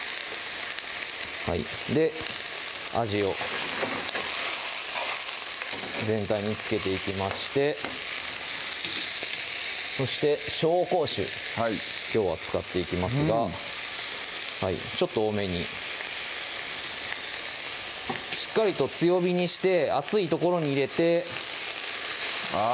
味を全体に付けていきましてそして紹興酒きょうは使っていきますがちょっと多めにしっかりと強火にして熱いところに入れてあ